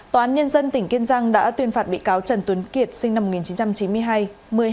tòa án nhân dân tỉnh kiên giang đã tuyên phạt bị cáo trần tuấn kiệt sinh năm một nghìn chín trăm chín mươi hai